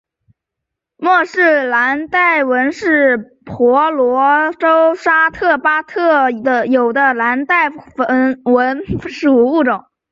莫氏蓝带蚊是婆罗洲沙巴特有的的蓝带蚊属物种。